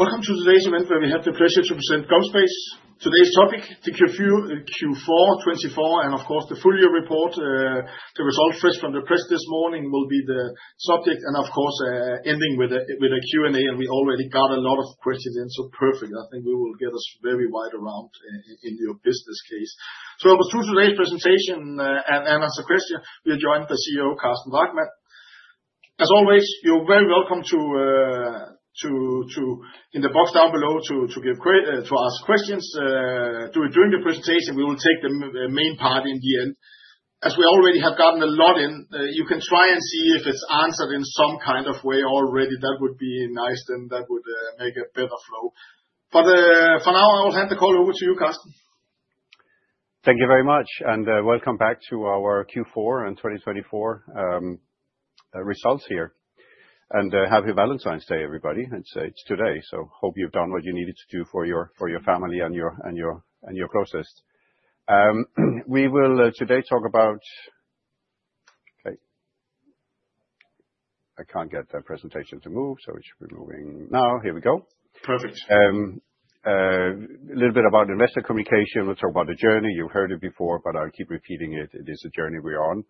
Welcome to today's event, where we have the pleasure to present GomSpace. Today's topic, the Q4 2024, and of course the full year report, the results fresh from the press this morning will be the subject, and of course ending with a Q&A. We already got a lot of questions in, so perfect. I think we will get us very wide around in your business case. To today's presentation and answer questions, we'll join the CEO, Carsten Drachmann. As always, you're very welcome to in the box down below to give to ask questions during the presentation. We will take the main part in the end. As we already have gotten a lot in, you can try and see if it's answered in some kind of way already. That would be nice, then that would make a better flow. For now, I will hand the call over to you, Carsten. Thank you very much, and welcome back to our Q4 and 2024 results here. Happy Valentine's Day, everybody. It's today, so hope you've done what you needed to do for your family and your closest. We will today talk about, okay, I can't get that presentation to move, so it should be moving now. Here we go. Perfect. A little bit about investor communication. We'll talk about the journey. You've heard it before, but I'll keep repeating it. It is a journey we're on.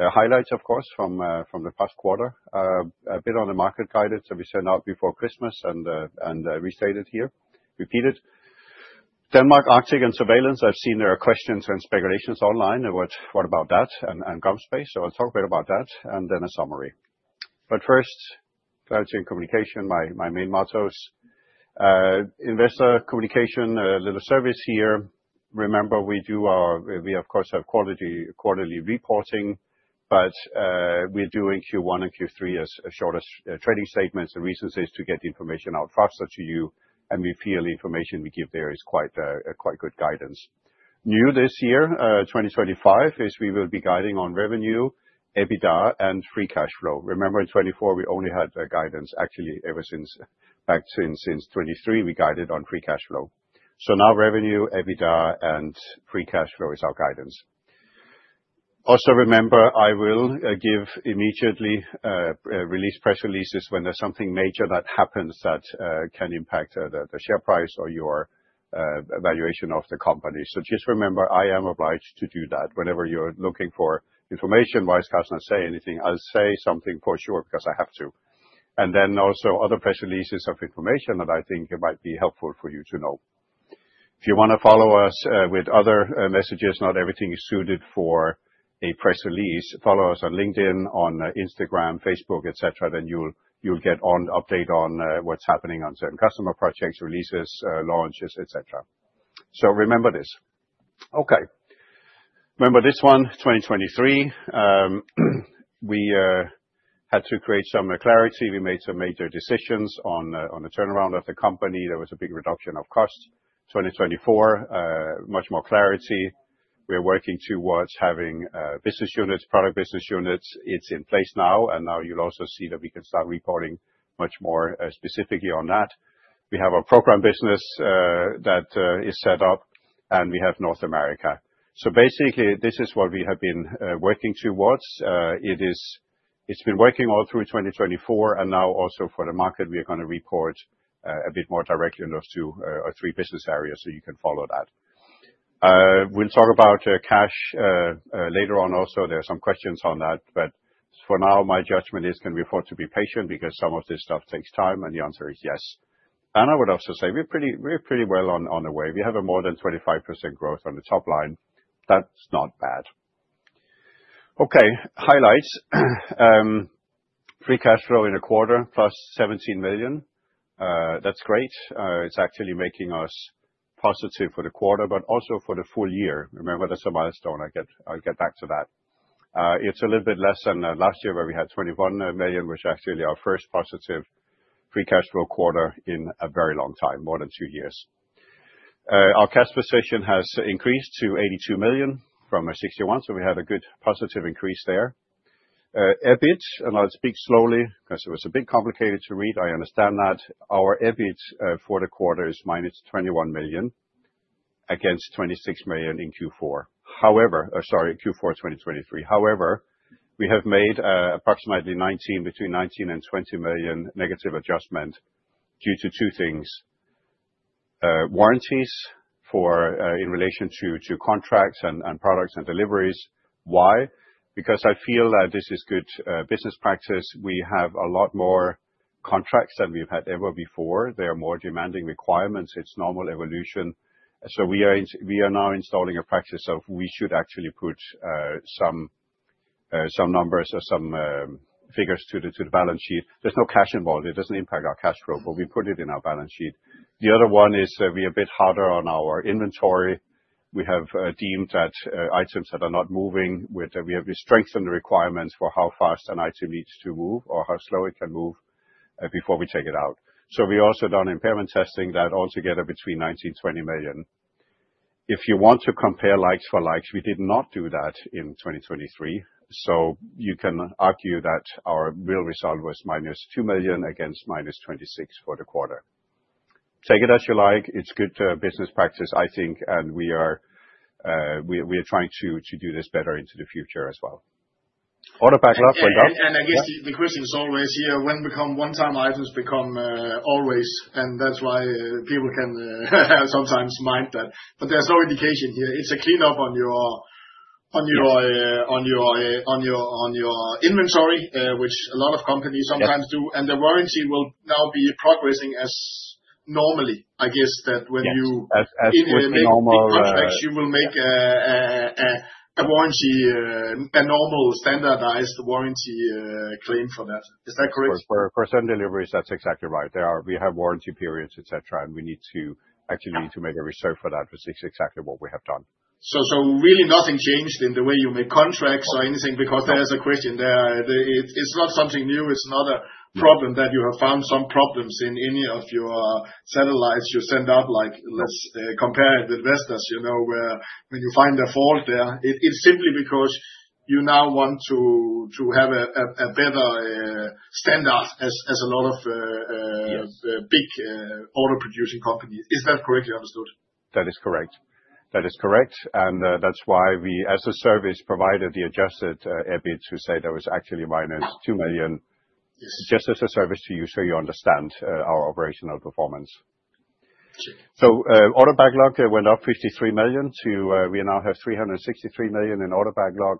Highlights, of course, from the past quarter. A bit on the market guidance that we sent out before Christmas and restated here, repeated. Denmark, Arctic, and surveillance. I've seen there are questions and speculations online about what about that and GomSpace, so I'll talk a bit about that and then a summary. First, clarity and communication, my main mottos. Investor communication, a little service here. Remember, we do our, we of course have quarterly reporting, but we're doing Q1 and Q3 as short as trading statements. The reason is to get the information out faster to you, and we feel the information we give there is quite good guidance. New this year, 2025, is we will be guiding on revenue, EBITDA, and free cash flow. Remember, in 2024, we only had guidance actually ever since back since 2023, we guided on free cash flow. Now revenue, EBITDA, and free cash flow is our guidance. Also remember, I will give immediately release press releases when there's something major that happens that can impact the share price or your valuation of the company. Just remember, I am obliged to do that. Whenever you're looking for information, wise guys don't say anything. I'll say something for sure because I have to. Also other press releases of information that I think might be helpful for you to know. If you want to follow us with other messages, not everything is suited for a press release, follow us on LinkedIn, on Instagram, Facebook, et cetera, then you'll get an update on what's happening on certain customer projects, releases, launches, et cetera. Remember this. Okay, remember this one, 2023, we had to create some clarity. We made some major decisions on the turnaround of the company. There was a big reduction of costs. 2024, much more clarity. We are working towards having business units, product business units. It's in place now, and now you'll also see that we can start reporting much more specifically on that. We have a program business that is set up, and we have North America. Basically, this is what we have been working towards. It's been working all through 2024, and now also for the market, we are going to report a bit more directly on those two or three business areas so you can follow that. We'll talk about cash later on also. There are some questions on that, but for now, my judgment is can we afford to be patient because some of this stuff takes time, and the answer is yes. I would also say we're pretty well on the way. We have a more than 25% growth on the top line. That's not bad. Okay, highlights. Free cash flow in a quarter plus 17 million. That's great. It's actually making us positive for the quarter, but also for the full year. Remember, that's a milestone. I'll get back to that. It's a little bit less than last year where we had 21 million, which actually was our first positive free cash flow quarter in a very long time, more than two years. Our cash position has increased to 82 million from 61 million, so we had a good positive increase there. EBIT, and I'll speak slowly because it was a bit complicated to read. I understand that. Our EBIT for the quarter is minus 21 million against 26 million in Q4 2023. However, we have made approximately 19-20 million negative adjustment due to two things. Warranties in relation to contracts and products and deliveries. Why? Because I feel that this is good business practice. We have a lot more contracts than we've had ever before. They are more demanding requirements. It's normal evolution. We are now installing a practice of we should actually put some numbers or some figures to the balance sheet. There is no cash involved. It does not impact our cash flow, but we put it in our balance sheet. The other one is we are a bit harder on our inventory. We have deemed that items that are not moving, we strengthen the requirements for how fast an item needs to move or how slow it can move before we take it out. We also have done impairment testing that altogether between 19-20 million. If you want to compare likes for likes, we did not do that in 2023. You can argue that our real result was -2 million against -26 million for the quarter. Take it as you like. It's good business practice, I think, and we are trying to do this better into the future as well. Autopack lock went up. I guess the question is always here, when one-time items become always, and that's why people can sometimes mind that. There's no indication here. It's a cleanup on your inventory, which a lot of companies sometimes do, and the warranty will now be progressing as normally. I guess that when you innovate contracts, you will make a warranty, a normal standardized warranty claim for that. Is that correct? For certain deliveries, that's exactly right. We have warranty periods, et cetera, and we need to actually need to make a reserve for that. It's exactly what we have done. Really nothing changed in the way you make contracts or anything because there's a question there. It's not something new. It's not a problem that you have found some problems in any of your satellites you send out. Like, let's compare it with Vestas, you know, where when you find a fault there, it's simply because you now want to have a better standard as a lot of big auto producing companies. Is that correctly understood? That is correct. That is correct. That is why we, as a service provider, the adjusted EBIT, to say there was actually -2 million, just as a service to you so you understand our operational performance. Auto backlog went up 53 million to we now have 363 million in auto backlog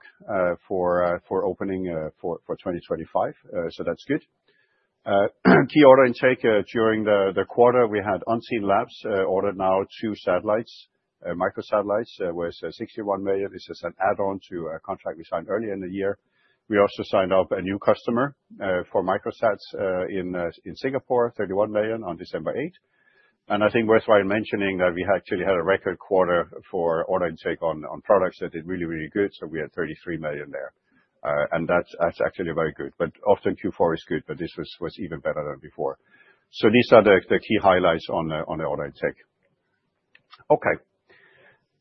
for opening for 2025. That is good. Key order intake during the quarter, we had Unseen Labs ordered now two satellites, microsatellites. That was 61 million. This is an add-on to a contract we signed earlier in the year. We also signed up a new customer for microsats in Singapore, 31 million on December 8. I think worthwhile mentioning that we actually had a record quarter for order intake on products that did really, really good. We had 33 million there. That is actually very good. Q4 is often good, but this was even better than before. These are the key highlights on the order intake. Okay,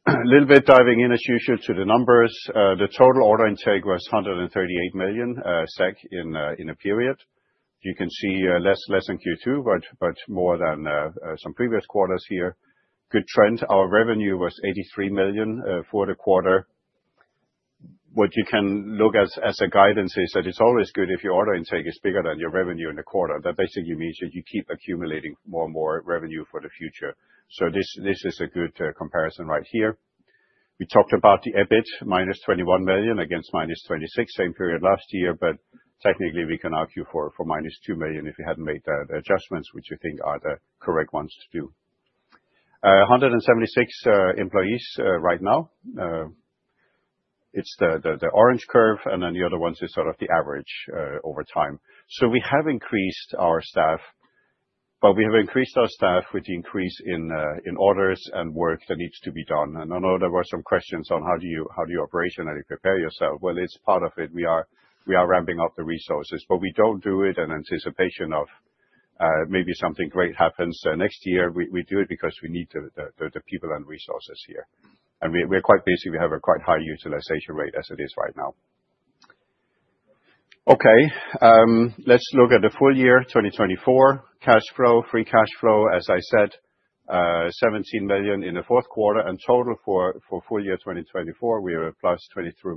a little bit diving in as usual to the numbers. The total order intake was 138 million SEK in the period. You can see less than Q2, but more than some previous quarters here. Good trend. Our revenue was 83 million for the quarter. What you can look at as a guidance is that it is always good if your order intake is bigger than your revenue in the quarter. That basically means that you keep accumulating more and more revenue for the future. This is a good comparison right here. We talked about the EBIT, -21 million against -26 million, same period last year, but technically we can argue for -2 million if you had not made the adjustments, which I think are the correct ones to do. One hundred seventy-six employees right now. It is the orange curve, and then the other ones are sort of the average over time. We have increased our staff, but we have increased our staff with the increase in orders and work that needs to be done. I know there were some questions on how do you operationally prepare yourself. It is part of it. We are ramping up the resources, but we do not do it in anticipation of maybe something great happens next year. We do it because we need the people and resources here. We are quite busy. We have a quite high utilization rate as it is right now. Okay, let's look at the full year, 2024, cash flow, free cash flow, as I said, 17 million in the fourth quarter, and total for full year 2024, we are plus 23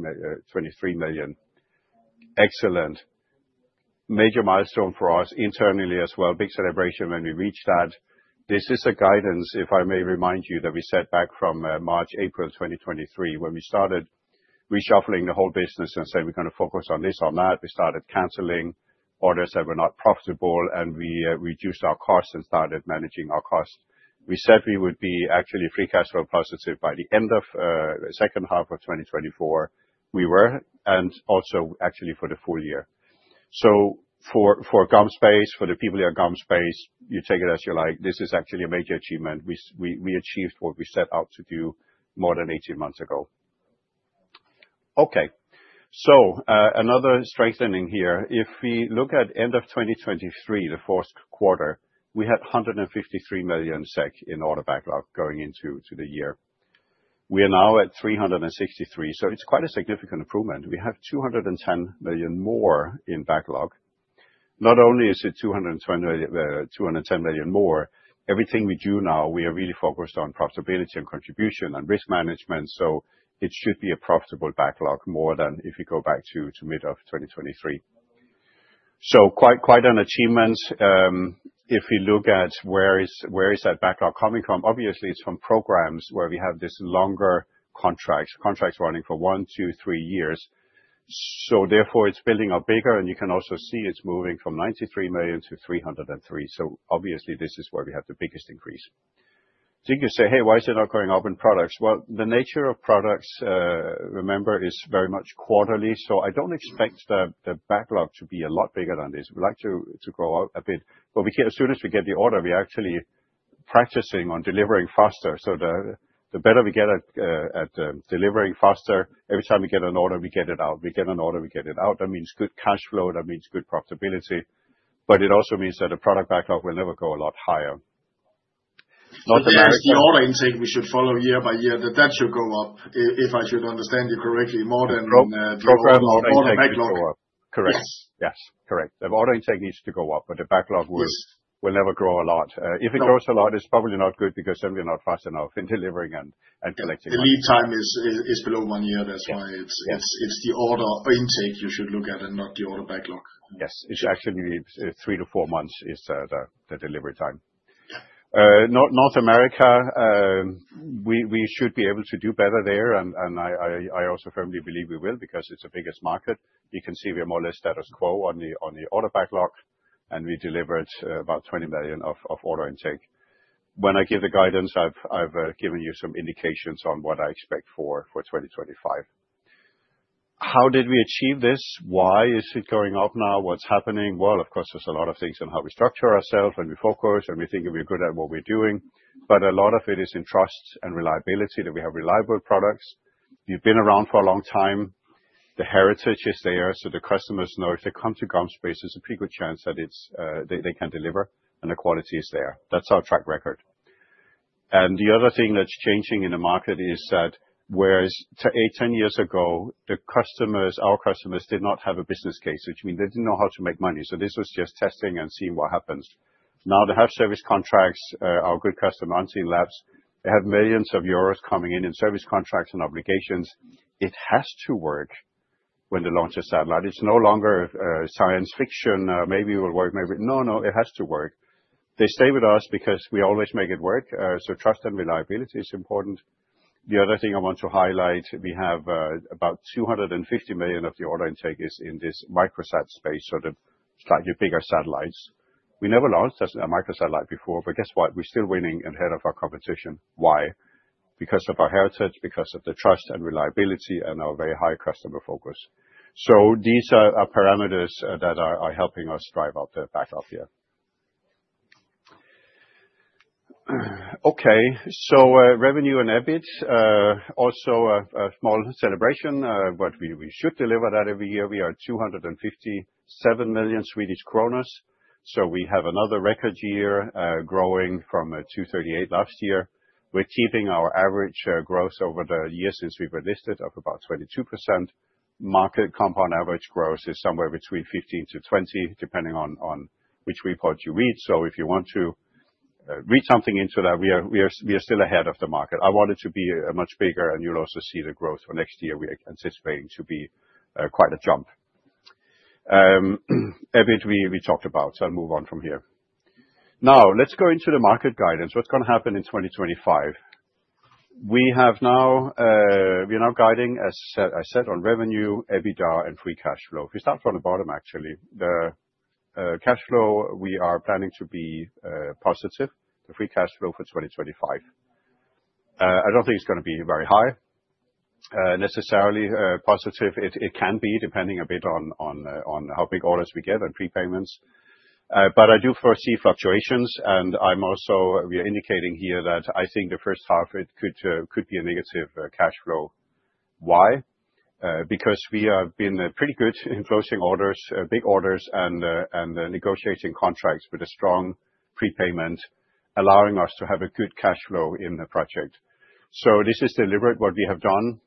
million. Excellent. Major milestone for us internally as well. Big celebration when we reached that. This is a guidance, if I may remind you, that we set back from March, April 2023 when we started reshuffling the whole business and said we're going to focus on this or that. We started canceling orders that were not profitable, and we reduced our costs and started managing our costs. We said we would be actually free cash flow positive by the end of the second half of 2024. We were, and also actually for the full year. For GomSpace, for the people in GomSpace, you take it as you like. This is actually a major achievement. We achieved what we set out to do more than 18 months ago. Okay, another strengthening here. If we look at end of 2023, the fourth quarter, we had 153 million SEK in order backlog going into the year. We are now at 363 million. It is quite a significant improvement. We have 210 million more in backlog. Not only is it 210 million more, everything we do now, we are really focused on profitability and contribution and risk management. It should be a profitable backlog more than if we go back to mid of 2023. Quite an achievement. If we look at where that backlog is coming from, obviously it is from programs where we have these longer contracts, contracts running for one, two, three years. Therefore it is building up bigger, and you can also see it is moving from 93 million to 303 million. Obviously this is where we have the biggest increase. You say, hey, why is it not going up in products? The nature of products, remember, is very much quarterly. I do not expect the backlog to be a lot bigger than this. We like to grow up a bit, but as soon as we get the order, we actually are practicing on delivering faster. The better we get at delivering faster, every time we get an order, we get it out. We get an order, we get it out. That means good cash flow. That means good profitability. It also means that the product backlog will never go a lot higher. It is the order intake we should follow year by year, that should go up, if I should understand you correctly, more than the order backlog. Correct. Yes, correct. The order intake needs to go up, but the backlog will never grow a lot. If it grows a lot, it's probably not good because then we're not fast enough in delivering and collecting. The lead time is below one year. That's why it's the order intake you should look at and not the order backlog. Yes, it's actually 3-4 months is the delivery time. North America, we should be able to do better there. I also firmly believe we will because it's the biggest market. You can see we are more or less status quo on the order backlog, and we delivered about 20 million of order intake. When I give the guidance, I've given you some indications on what I expect for 2025. How did we achieve this? Why is it going up now? What's happening? Of course, there's a lot of things on how we structure ourselves and we focus and we think we're good at what we're doing. A lot of it is in trust and reliability that we have reliable products. You've been around for a long time. The heritage is there. The customers know if they come to GomSpace, there's a pretty good chance that they can deliver and the quality is there. That's our track record. The other thing that's changing in the market is that whereas eight, ten years ago, our customers did not have a business case, which means they didn't know how to make money. This was just testing and seeing what happens. Now they have service contracts. Our good customer, Unseen Labs, they have millions of euros coming in in service contracts and obligations. It has to work when they launch a satellite. It's no longer science fiction. Maybe it will work. Maybe. No, no, it has to work. They stay with us because we always make it work. Trust and reliability is important. The other thing I want to highlight, we have about 250 million of the order intake is in this microsat space, so the slightly bigger satellites. We never launched a microsat before, but guess what? We're still winning ahead of our competition. Why? Because of our heritage, because of the trust and reliability and our very high customer focus. These are parameters that are helping us drive up the backlog here. Okay, revenue and EBIT, also a small celebration, but we should deliver that every year. We are 257 million Swedish kronor. We have another record year growing from 238 million last year. We're keeping our average growth over the year since we've enlisted of about 22%. Market compound average growth is somewhere between 15%-20%, depending on which report you read. If you want to read something into that, we are still ahead of the market. I want it to be much bigger, and you'll also see the growth for next year. We are anticipating to be quite a jump. EBIT we talked about, so I'll move on from here. Now let's go into the market guidance. What's going to happen in 2025? We have now, we are now guiding, as I said, on revenue, EBITDA, and free cash flow. If we start from the bottom, actually, the cash flow, we are planning to be positive. The free cash flow for 2025, I don't think it's going to be very high necessarily positive. It can be depending a bit on how big orders we get and prepayments. I do foresee fluctuations, and I'm also, we are indicating here that I think the first half, it could be a negative cash flow. Why? Because we have been pretty good in closing orders, big orders, and negotiating contracts with a strong prepayment, allowing us to have a good cash flow in the project. This is deliberate what we have done.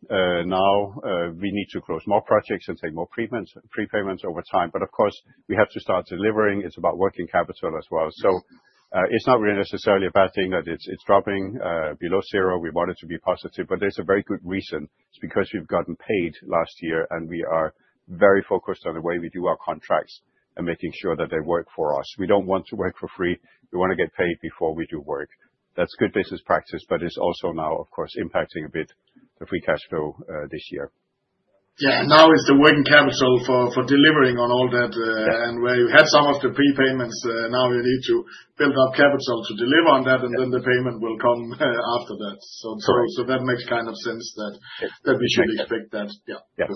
Now we need to close more projects and take more prepayments over time. Of course, we have to start delivering. It's about working capital as well. It's not really necessarily a bad thing that it's dropping below zero. We want it to be positive, but there's a very good reason. It's because we've gotten paid last year, and we are very focused on the way we do our contracts and making sure that they work for us. We don't want to work for free. We want to get paid before we do work. That's good business practice, but it's also now, of course, impacting a bit the free cash flow this year. Yeah, now it's the working capital for delivering on all that. Where you had some of the prepayments, now you need to build up capital to deliver on that, and then the payment will come after that. That makes kind of sense that we should expect that. Yeah,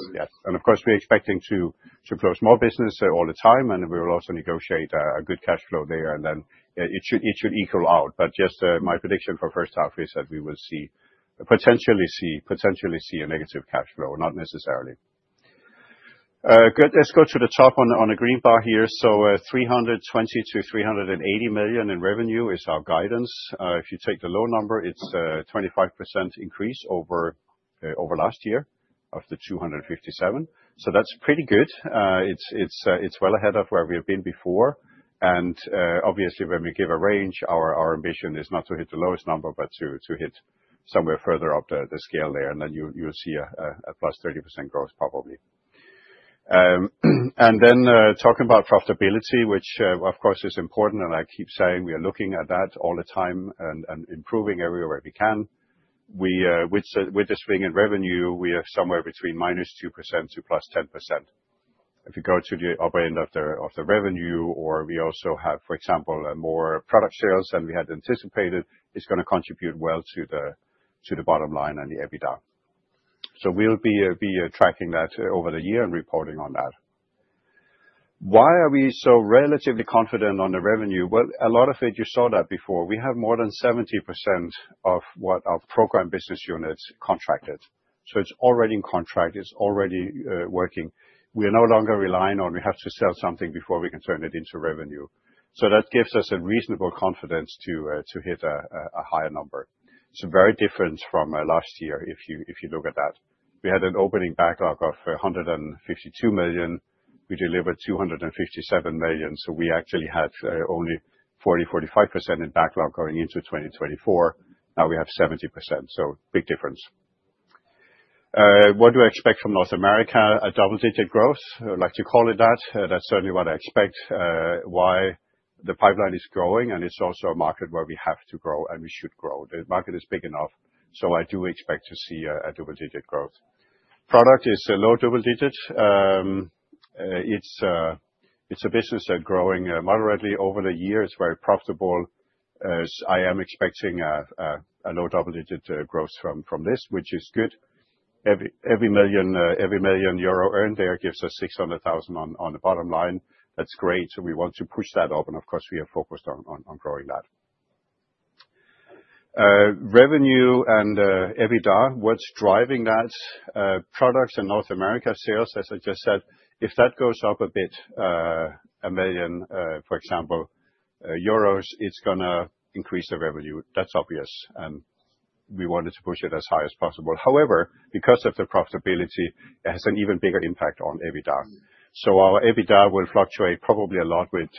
and of course, we're expecting to close more business all the time, and we will also negotiate a good cash flow there, and it should equal out. Just my prediction for the first half is that we will potentially see a negative cash flow, not necessarily. Good, let's go to the top on the green bar here. 320-380 million in revenue is our guidance. If you take the low number, it's a 25% increase over last year of the 257 million. That's pretty good. It's well ahead of where we have been before. Obviously, when we give a range, our ambition is not to hit the lowest number, but to hit somewhere further up the scale there, and then you'll see a plus 30% growth probably. Talking about profitability, which of course is important, and I keep saying we are looking at that all the time and improving everywhere we can. With the swing in revenue, we are somewhere between -2% to +10%. If you go to the upper end of the revenue, or we also have, for example, more product sales than we had anticipated, it is going to contribute well to the bottom line and the EBITDA. We will be tracking that over the year and reporting on that. Why are we so relatively confident on the revenue? A lot of it, you saw that before. We have more than 70% of what our program business units contracted. It is already in contract. It is already working. We are no longer relying on we have to sell something before we can turn it into revenue. That gives us a reasonable confidence to hit a higher number. It's very different from last year if you look at that. We had an opening backlog of 152 million. We delivered 257 million. We actually had only 40%-45% in backlog going into 2024. Now we have 70%. Big difference. What do I expect from North America? A double-digit growth, I like to call it that. That's certainly what I expect. Why? The pipeline is growing, and it's also a market where we have to grow and we should grow. The market is big enough. I do expect to see a double-digit growth. Product is a low double-digit. It's a business that's growing moderately over the year. It's very profitable. I am expecting a low double-digit growth from this, which is good. Every million euro earned there gives us 600,000 on the bottom line. That's great. We want to push that up, and of course, we are focused on growing that. Revenue and EBITDA, what's driving that? Products and North America sales, as I just said, if that goes up a bit, a million, for example, euros, it's going to increase the revenue. That's obvious. We wanted to push it as high as possible. However, because of the profitability, it has an even bigger impact on EBITDA. Our EBITDA will fluctuate probably a lot with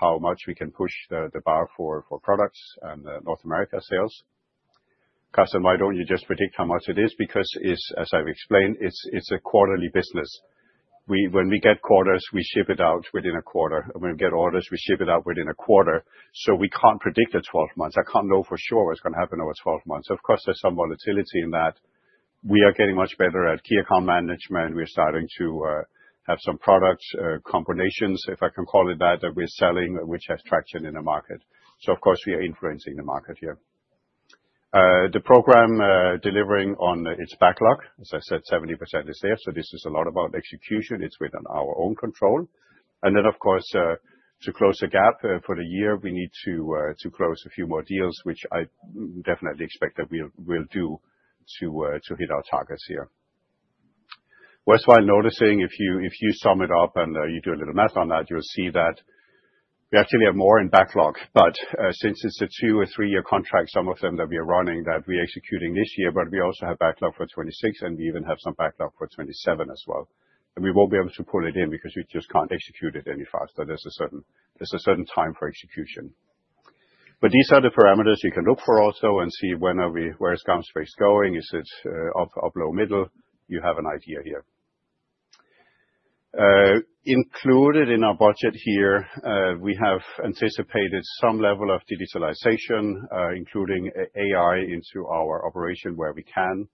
how much we can push the bar for products and North America sales. Custom, why don't you just predict how much it is? Because it's, as I've explained, it's a quarterly business. When we get orders, we ship it out within a quarter. We can't predict the 12 months. I can't know for sure what's going to happen over 12 months. Of course, there's some volatility in that. We are getting much better at key account management. We're starting to have some product combinations, if I can call it that, that we're selling, which has traction in the market. Of course, we are influencing the market here. The program delivering on its backlog, as I said, 70% is there. This is a lot about execution. It's within our own control. To close the gap for the year, we need to close a few more deals, which I definitely expect that we'll do to hit our targets here. Worthwhile noticing, if you sum it up and you do a little math on that, you'll see that we actually have more in backlog. Since it's a two or three-year contract, some of them that we are running that we are executing this year, but we also have backlog for 2026, and we even have some backlog for 2027 as well. We won't be able to pull it in because we just can't execute it any faster. There's a certain time for execution. These are the parameters you can look for also and see where is GomSpace going? Is it up, low, middle? You have an idea here. Included in our budget here, we have anticipated some level of digitalization, including AI into our operation where we can.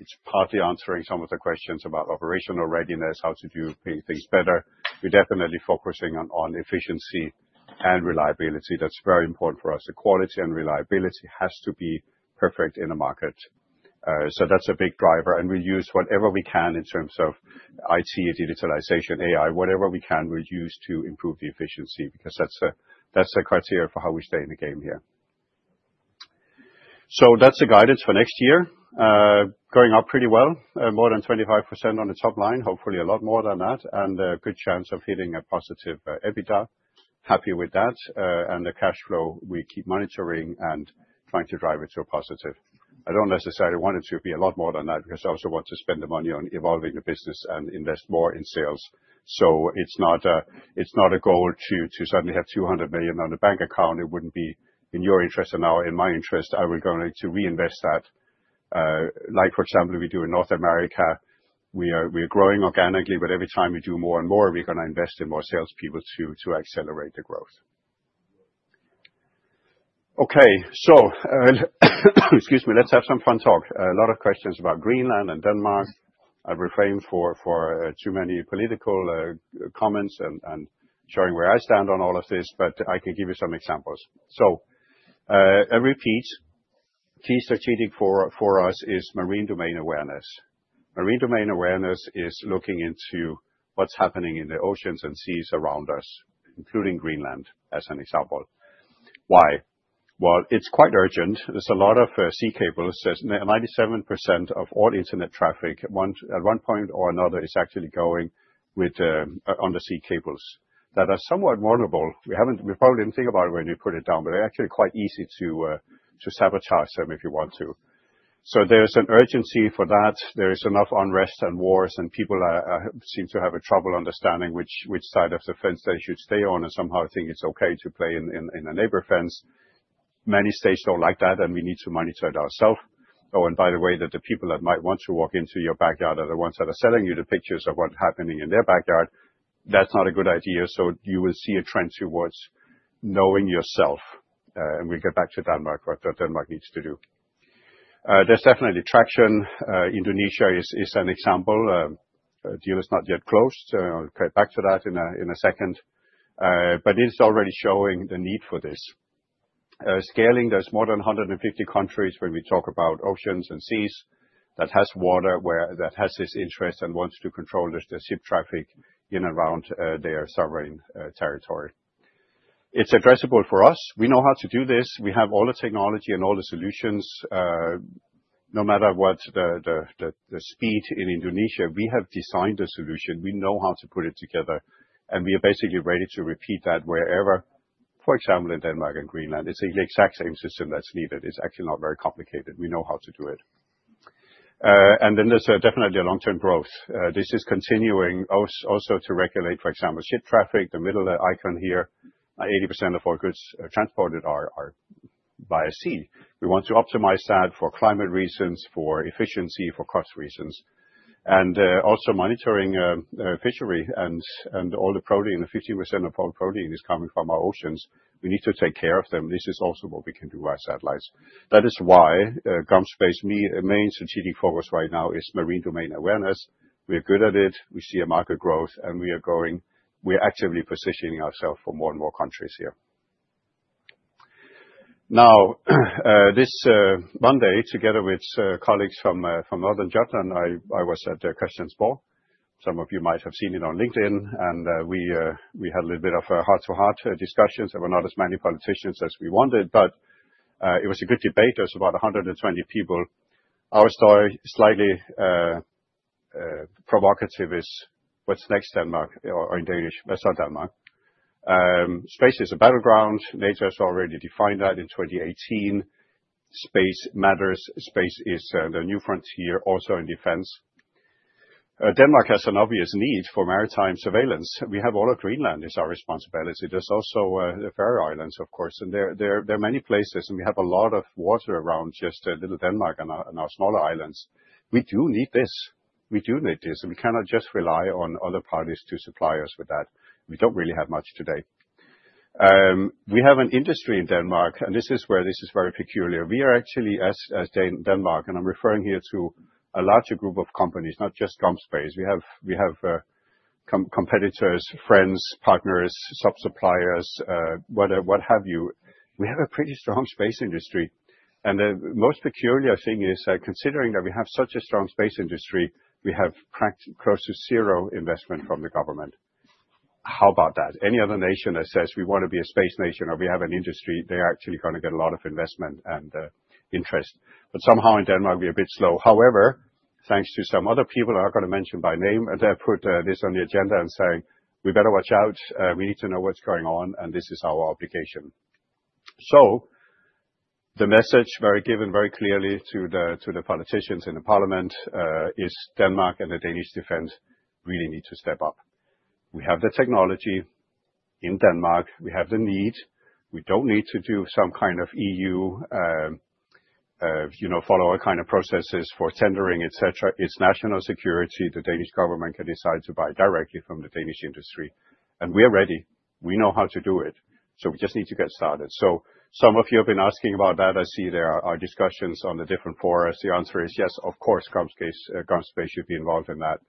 It's partly answering some of the questions about operational readiness, how to do things better. We're definitely focusing on efficiency and reliability. That's very important for us. The quality and reliability has to be perfect in a market. That's a big driver. We will use whatever we can in terms of IT, digitalization, AI, whatever we can, we will use to improve the efficiency because that is a criteria for how we stay in the game here. That is the guidance for next year. Going up pretty well, more than 25% on the top line, hopefully a lot more than that, and a good chance of hitting a positive EBITDA. Happy with that. The cash flow, we keep monitoring and trying to drive it to a positive. I do not necessarily want it to be a lot more than that because I also want to spend the money on evolving the business and invest more in sales. It is not a goal to suddenly have 200 million on a bank account. It would not be in your interest and not in my interest. I am going to reinvest that. Like for example, we do in North America, we are growing organically, but every time we do more and more, we're going to invest in more salespeople to accelerate the growth. Okay, excuse me, let's have some fun talk. A lot of questions about Greenland and Denmark. I've refrained from too many political comments and showing where I stand on all of this, but I can give you some examples. A repeat, key strategic for us is marine domain awareness. Marine domain awareness is looking into what's happening in the oceans and seas around us, including Greenland as an example. Why? It is quite urgent. There's a lot of sea cables. 97% of all internet traffic at one point or another is actually going on the sea cables that are somewhat vulnerable. We probably did not think about it when we put it down, but they are actually quite easy to sabotage if you want to. There is an urgency for that. There is enough unrest and wars, and people seem to have trouble understanding which side of the fence they should stay on and somehow think it is okay to play in a neighbor fence. Many states do not like that, and we need to monitor it ourselves. Oh, and by the way, the people that might want to walk into your backyard are the ones that are selling you the pictures of what is happening in their backyard. That is not a good idea. You will see a trend towards knowing yourself. We will get back to Denmark, what Denmark needs to do. There is definitely traction. Indonesia is an example. The deal is not yet closed. I'll get back to that in a second. It is already showing the need for this. Scaling, there are more than 150 countries when we talk about oceans and seas that have water that has this interest and wants to control the ship traffic in and around their sovereign territory. It is addressable for us. We know how to do this. We have all the technology and all the solutions. No matter what the speed in Indonesia, we have designed the solution. We know how to put it together. We are basically ready to repeat that wherever, for example, in Denmark and Greenland. It is the exact same system that is needed. It is actually not very complicated. We know how to do it. There is definitely a long-term growth. This is continuing also to regulate, for example, ship traffic. The middle icon here, 80% of all goods transported are by sea. We want to optimize that for climate reasons, for efficiency, for cost reasons. Also, monitoring fishery and all the protein. 15% of all protein is coming from our oceans. We need to take care of them. This is also what we can do by satellites. That is why GomSpace's main strategic focus right now is marine domain awareness. We are good at it. We see a market growth, and we are going, we're actively positioning ourselves for more and more countries here. Now, this Monday, together with colleagues from Northern Jutland, I was at the Christiansborg. Some of you might have seen it on LinkedIn, and we had a little bit of heart-to-heart discussions. There were not as many politicians as we wanted, but it was a good debate. There were about 120 people. Our story, slightly provocative, is what's next, Denmark, or in Danish, South Denmark. Space is a battleground. Nature has already defined that in 2018. Space matters. Space is the new frontier, also in defense. Denmark has an obvious need for maritime surveillance. We have all of Greenland as our responsibility. There is also the Faroe Islands, of course. There are many places, and we have a lot of water around just little Denmark and our smaller islands. We do need this. We do need this. We cannot just rely on other parties to supply us with that. We do not really have much today. We have an industry in Denmark, and this is where this is very peculiar. We are actually, as Denmark, and I am referring here to a larger group of companies, not just GomSpace. We have competitors, friends, partners, sub-suppliers, what have you. We have a pretty strong space industry. The most peculiar thing is, considering that we have such a strong space industry, we have close to zero investment from the government. How about that? Any other nation that says, "We want to be a space nation," or "We have an industry," they're actually going to get a lot of investment and interest. Somehow in Denmark, we're a bit slow. However, thanks to some other people I'm not going to mention by name, they've put this on the agenda and saying, "We better watch out. We need to know what's going on, and this is our obligation." The message, given very clearly to the politicians in the parliament, is Denmark and the Danish defense really need to step up. We have the technology in Denmark. We have the need. We don't need to do some kind of EU follow-on kind of processes for tendering, etc. It's national security. The Danish government can decide to buy directly from the Danish industry. We are ready. We know how to do it. We just need to get started. Some of you have been asking about that. I see there are discussions on the different fora. The answer is yes, of course, GomSpace should be involved in that.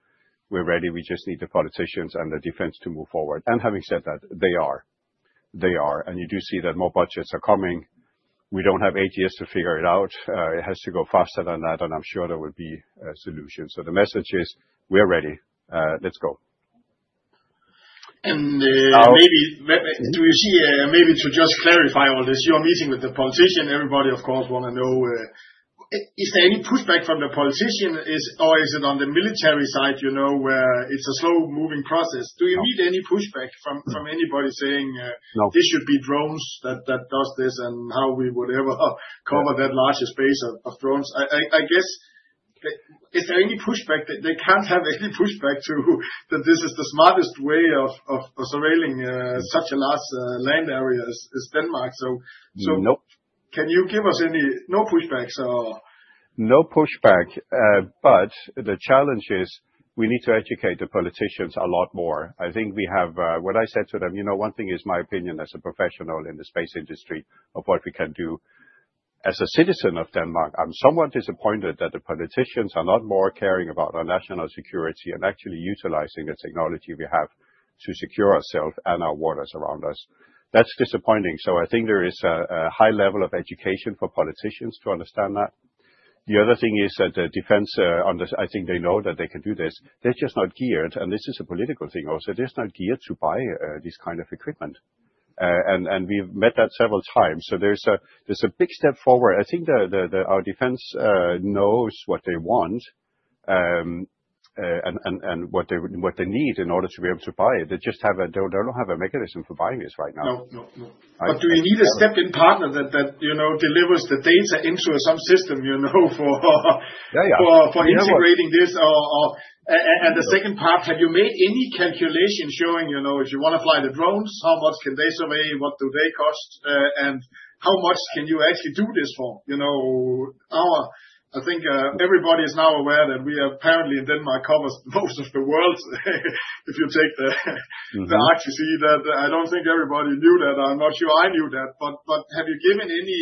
We're ready. We just need the politicians and the defense to move forward. Having said that, they are. They are. You do see that more budgets are coming. We don't have eight years to figure it out. It has to go faster than that, and I'm sure there will be solutions. The message is, we are ready. Let's go. Maybe to just clarify all this, you're meeting with the politician. Everybody, of course, want to know, is there any pushback from the politician, or is it on the military side, you know, where it's a slow-moving process? Do you need any pushback from anybody saying, "This should be drones that do this," and how we would ever cover that larger space of drones? I guess, is there any pushback? They can't have any pushback to that this is the smartest way of surveilling such a large land area as Denmark. So can you give us any no pushback? No pushback. The challenge is we need to educate the politicians a lot more. I think we have what I said to them, you know, one thing is my opinion as a professional in the space industry of what we can do. As a citizen of Denmark, I'm somewhat disappointed that the politicians are not more caring about our national security and actually utilizing the technology we have to secure ourselves and our waters around us. That's disappointing. I think there is a high level of education for politicians to understand that. The other thing is that the defense, I think they know that they can do this. They're just not geared, and this is a political thing also. They're just not geared to buy this kind of equipment. We've met that several times. There's a big step forward. I think our defense knows what they want and what they need in order to be able to buy it. They just don't have a mechanism for buying this right now. No, no, no. Do you need a stepping partner that delivers the data into some system, you know, for integrating this? The second part, have you made any calculations showing, you know, if you want to fly the drones, how much can they survey, what do they cost, and how much can you actually do this for? You know, I think everybody is now aware that we apparently in Denmark cover most of the world. If you take the Arctic sea, I do not think everybody knew that. I am not sure I knew that. Have you given any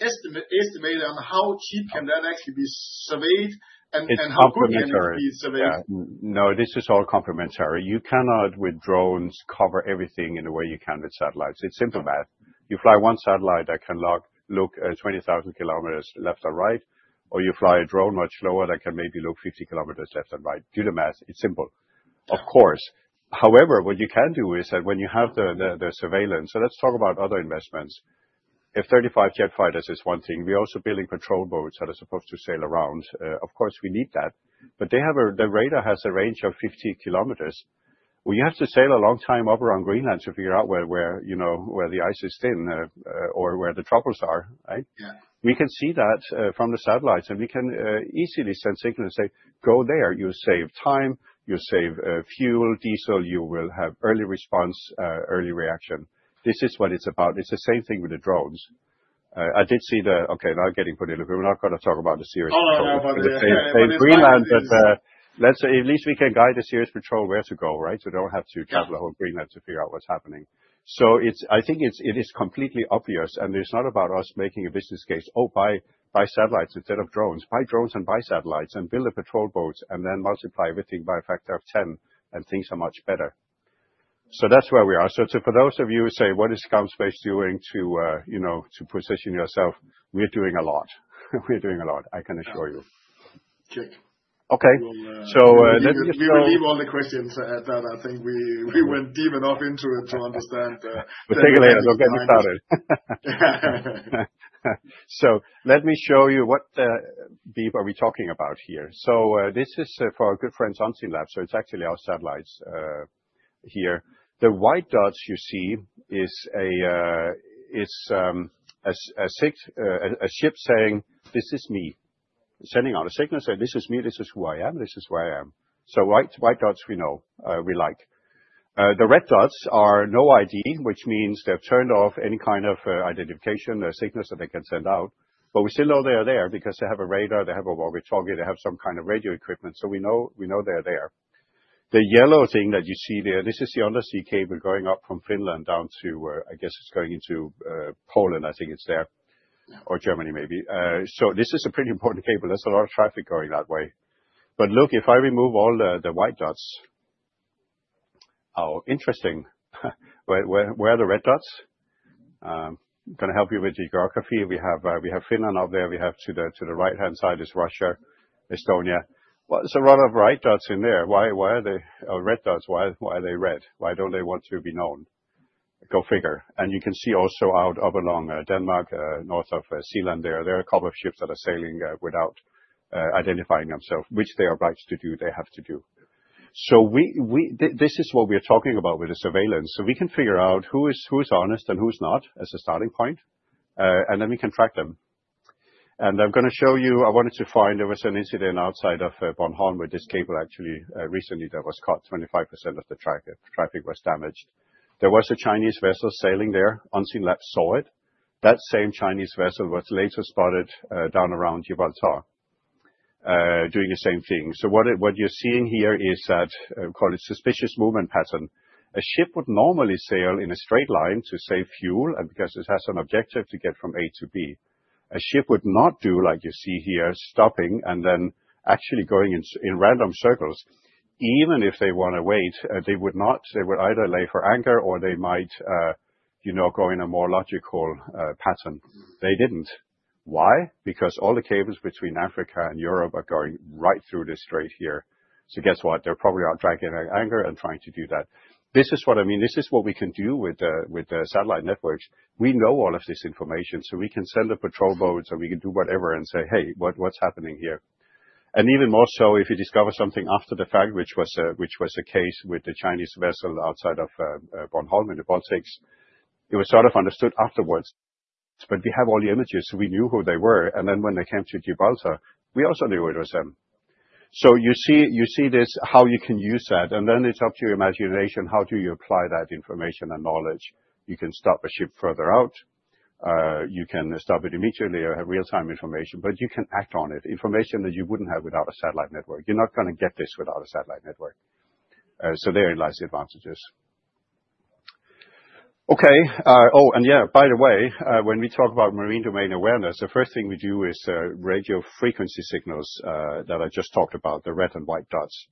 estimate on how cheap can that actually be surveyed and how good can it be surveyed? No, this is all complementary. You cannot with drones cover everything in a way you can with satellites. It is simple math. You fly one satellite that can look 20,000 km left or right, or you fly a drone much lower that can maybe look 50 km left and right. Do the math. It's simple. Of course. However, what you can do is that when you have the surveillance, so let's talk about other investments. If 35 jet fighters is one thing, we're also building patrol boats that are supposed to sail around. Of course, we need that. The radar has a range of 50 km. You have to sail a long time up around Greenland to figure out where the ice is thin or where the troubles are. We can see that from the satellites, and we can easily send signals and say, "Go there. You save time. You save fuel, diesel. You will have early response, early reaction." This is what it's about. It's the same thing with the drones. I did see the, okay, now getting put in a little bit. We're not going to talk about the serious patrol. Oh, about the Greenland, but at least we can guide the serious patrol where to go, right? They do not have to travel the whole Greenland to figure out what's happening. I think it is completely obvious, and it's not about us making a business case, "Oh, buy satellites instead of drones. Buy drones and buy satellites and build a patrol boat and then multiply everything by a factor of 10, and things are much better." That's where we are. For those of you who say, "What is GomSpace doing to position yourself?" We're doing a lot. We're doing a lot, I can assure you. Check. Let me just leave all the questions at that. I think we went deep enough into it to understand. Take it later. Don't get me started. Let me show you what beep are we talking about here. This is for our good friends Unseen Labs. It is actually our satellites here. The white dots you see is a ship saying, "This is me." Sending out a signal saying, "This is me. This is who I am. This is where I am." White dots, we know, we like. The red dots are no ID, which means they've turned off any kind of identification signals that they can send out. We still know they are there because they have a radar, they have what we're talking, they have some kind of radio equipment. We know they're there. The yellow thing that you see there, this is the undersea cable going up from Finland down to, I guess it's going into Poland, I think it's there, or Germany maybe. This is a pretty important cable. There's a lot of traffic going that way. If I remove all the white dots, how interesting. Where are the red dots? I'm going to help you with geography. We have Finland up there. To the right-hand side is Russia, Estonia. There's a lot of white dots in there. Why are they red dots? Why are they red? Why don't they want to be known? Go figure. You can see also out up along Denmark, north of Zealand there, there are a couple of ships that are sailing without identifying themselves, which they are right to do. They have to do. This is what we're talking about with the surveillance. We can figure out who is honest and who's not as a starting point, and then we can track them. I'm going to show you, I wanted to find there was an incident outside of Bornholm with this cable actually recently that was cut. 25% of the traffic was damaged. There was a Chinese vessel sailing there. Unseenlabs saw it. That same Chinese vessel was later spotted down around Gibraltar doing the same thing. What you're seeing here is that we call it suspicious movement pattern. A ship would normally sail in a straight line to save fuel and because it has an objective to get from A to B. A ship would not do, like you see here, stopping and then actually going in random circles. Even if they want to wait, they would either lay for anchor or they might go in a more logical pattern. They did not. Why? Because all the cables between Africa and Europe are going right through this strait here. Guess what? They are probably out dragging an anchor and trying to do that. This is what I mean. This is what we can do with satellite networks. We know all of this information, so we can send the patrol boats and we can do whatever and say, "Hey, what is happening here?" Even more so, if you discover something after the fact, which was a case with the Chinese vessel outside of Bornholm in the Baltics, it was sort of understood afterwards. We have all the images, so we knew who they were. When they came to Gibraltar, we also knew it was them. You see this, how you can use that. And then it's up to your imagination, how do you apply that information and knowledge? You can stop a ship further out. You can stop it immediately or have real-time information, but you can act on it. Information that you wouldn't have without a satellite network. You're not going to get this without a satellite network. Therein lies the advantages. Okay. Oh, and yeah, by the way, when we talk about marine domain awareness, the first thing we do is radio frequency signals that I just talked about, the red and white dots.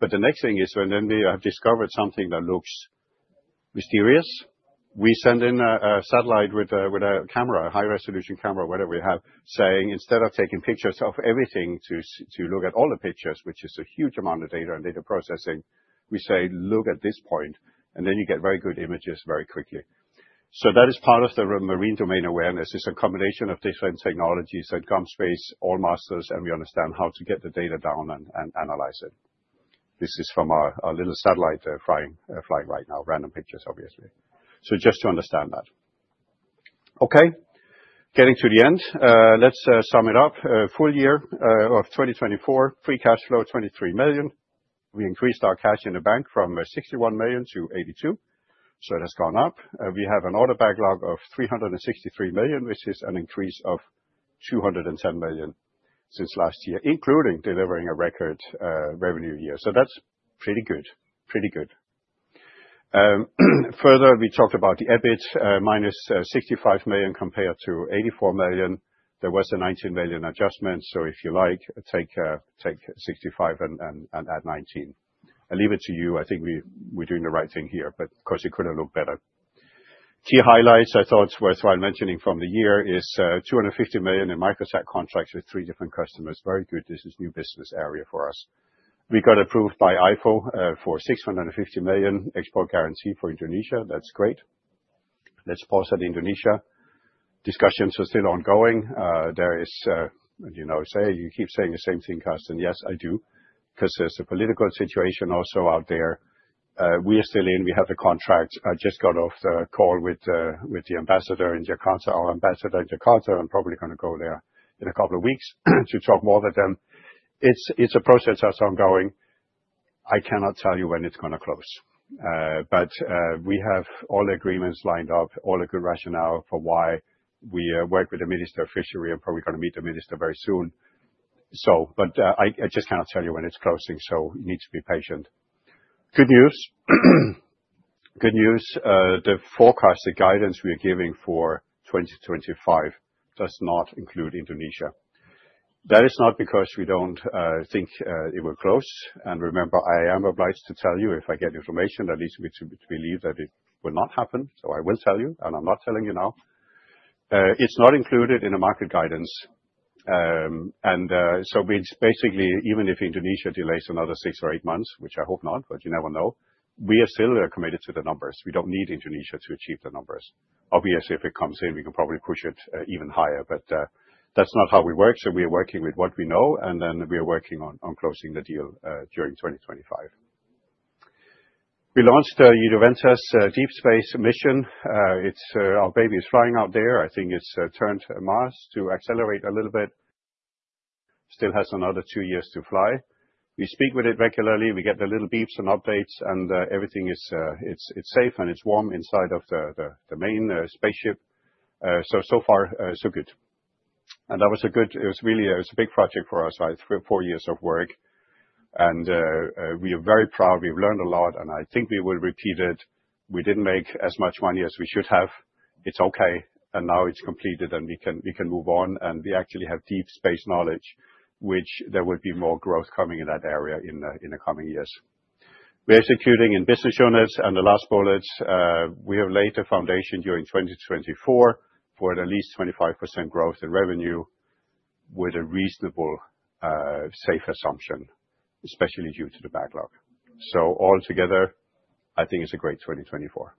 The next thing is when we have discovered something that looks mysterious, we send in a satellite with a camera, a high-resolution camera, whatever we have, saying, instead of taking pictures of everything to look at all the pictures, which is a huge amount of data and data processing, we say, "Look at this point." You get very good images very quickly. That is part of the marine domain awareness. It's a combination of different technologies at GomSpace, AllMasters, and we understand how to get the data down and analyze it. This is from our little satellite flying right now, random pictures, obviously. Just to understand that. Okay. Getting to the end, let's sum it up. Full year of 2024, free cash flow, 23 million. We increased our cash in the bank from 61 million to 82 million. It has gone up. We have an order backlog of 363 million, which is an increase of 210 million since last year, including delivering a record revenue year. That is pretty good. Pretty good. Further, we talked about the EBIT, minus 65 million compared to 84 million. There was a 19 million adjustment. If you like, take 65 and add 19. I leave it to you. I think we are doing the right thing here, but of course, it could have looked better. Key highlights I thought were worth mentioning from the year is 250 million in microsat contracts with three different customers. Very good. This is a new business area for us. We got approved by IFO for 650 million export guarantee for Indonesia. That is great. Let's pause at Indonesia. Discussions are still ongoing. There is, you know, say, you keep saying the same thing, Carsten. Yes, I do. Because there's a political situation also out there. We are still in. We have a contract. I just got off the call with the ambassador in Jakarta, our ambassador in Jakarta, and probably going to go there in a couple of weeks to talk more with them. It's a process that's ongoing. I cannot tell you when it's going to close. We have all the agreements lined up, all the good rationale for why we work with the Minister of Fishery. I'm probably going to meet the Minister very soon. I just cannot tell you when it's closing. You need to be patient. Good news. Good news. The forecast, the guidance we are giving for 2025 does not include Indonesia. That is not because we don't think it will close. Remember, I am obliged to tell you if I get information that leads me to believe that it will not happen. I will tell you, and I'm not telling you now. It is not included in the market guidance. Basically, even if Indonesia delays another six or eight months, which I hope not, but you never know, we are still committed to the numbers. We do not need Indonesia to achieve the numbers. Obviously, if it comes in, we can probably push it even higher, but that is not how we work. We are working with what we know, and we are working on closing the deal during 2025. We launched the Juventas Deep Space Mission. Our baby is flying out there. I think it has turned Mars to accelerate a little bit. It still has another two years to fly. We speak with it regularly. We get the little beeps and updates, and everything is safe and it's warm inside of the main spaceship. So far, so good. That was a good, it was really, it was a big project for us, right? Four years of work. We are very proud. We've learned a lot, and I think we will repeat it. We didn't make as much money as we should have. It's okay. Now it's completed, and we can move on. We actually have deep space knowledge, which there would be more growth coming in that area in the coming years. We're executing in business units, and the last bullet, we have laid the foundation during 2024 for at least 25% growth in revenue with a reasonable safe assumption, especially due to the backlog. Altogether, I think it's a great 2024.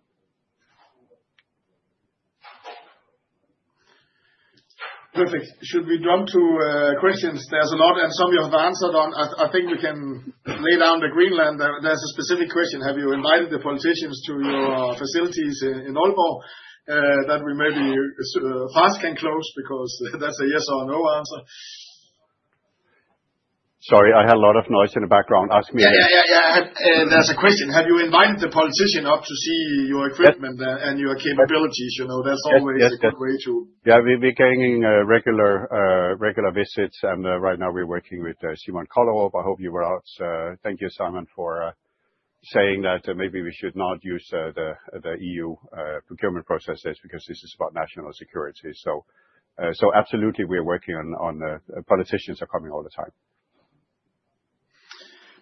Perfect. Should we jump to questions? There's a lot and some you have answered on. I think we can lay down the Greenland. There's a specific question. Have you invited the politicians to your facilities in Aalborg that we maybe fast can close because that's a yes or no answer? Sorry, I had a lot of noise in the background. Ask me again. Yeah, yeah, yeah. There's a question. Have you invited the politician up to see your equipment and your capabilities? You know, that's always a good way to. Yeah, we're getting regular visits, and right now we're working with Simon Kollerhoff. I hope you were out. Thank you, Simon, for saying that maybe we should not use the EU procurement processes because this is about national security. Absolutely, we are working on, politicians are coming all the time.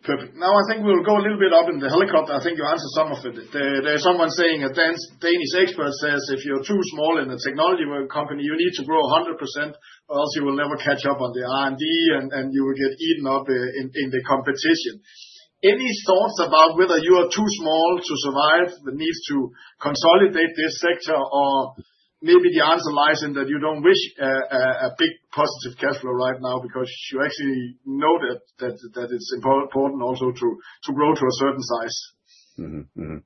Perfect. Now I think we'll go a little bit up in the helicopter. I think you answered some of it. There's someone saying a Danish expert says if you're too small in a technology company, you need to grow 100% or else you will never catch up on the R&D and you will get eaten up in the competition. Any thoughts about whether you are too small to survive that needs to consolidate this sector or maybe the answer lies in that you don't wish a big positive cash flow right now because you actually know that it's important also to grow to a certain size. There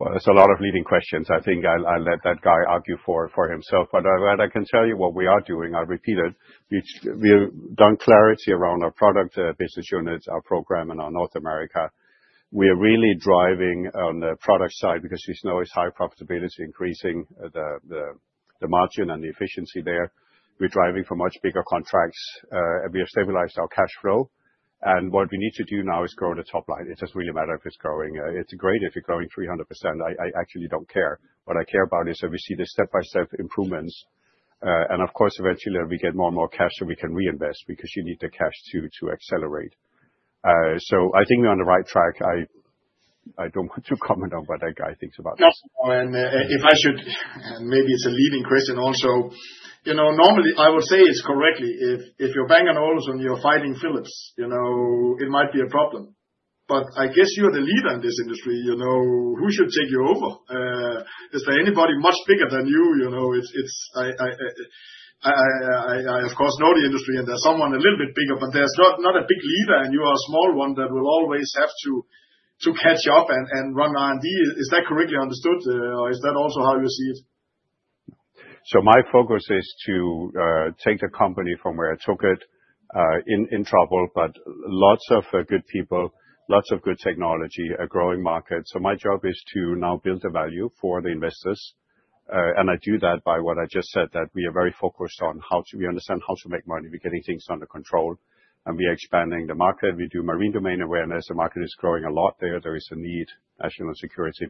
are a lot of leading questions. I think I'll let that guy argue for himself. What I can tell you, what we are doing, I'll repeat it. We've done clarity around our product business units, our program, and our North America. We are really driving on the product side because we know it's high profitability, increasing the margin and the efficiency there. We're driving for much bigger contracts. We have stabilized our cash flow. What we need to do now is grow the top line. It doesn't really matter if it's growing. It's great if you're growing 300%. I actually don't care. What I care about is that we see the step-by-step improvements. Of course, eventually we get more and more cash so we can reinvest because you need the cash to accelerate. I think we're on the right track. I don't want to comment on what that guy thinks about. If I should, and maybe it's a leading question also, you know, normally I would say it's correctly if you're Bang & Olufsen and you're fighting Philips, you know, it might be a problem. I guess you're the leader in this industry. You know, who should take you over? Is there anybody much bigger than you? You know, of course, I know the industry and there's someone a little bit bigger, but there's not a big leader and you are a small one that will always have to catch up and run R&D. Is that correctly understood or is that also how you see it? My focus is to take the company from where I took it in trouble, but lots of good people, lots of good technology, a growing market. My job is to now build the value for the investors. I do that by what I just said, that we are very focused on how to understand how to make money. We're getting things under control and we are expanding the market. We do marine domain awareness. The market is growing a lot there. There is a need, national security.